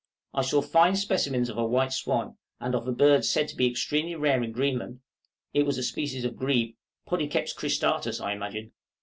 I saw fine specimens of a white swan, and of a bird said to be extremely rare in Greenland, it was a species of grebe, Podiceps cristatus, I imagine.